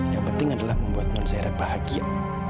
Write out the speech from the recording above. yang penting adalah membuat non zero bahagia